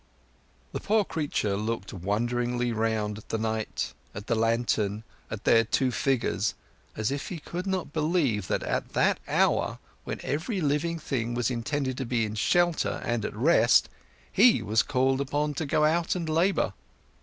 The poor creature looked wonderingly round at the night, at the lantern, at their two figures, as if he could not believe that at that hour, when every living thing was intended to be in shelter and at rest, he was called upon to go out and labour.